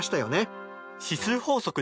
指数法則ですか？